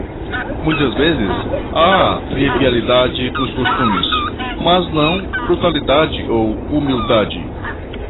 Muitas vezes há trivialidade nos costumes, mas não brutalidade ou humildade.